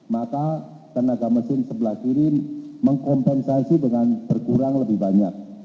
maka tenaga mesin sebelah kiri mengkompensasi dengan berkurang lebih banyak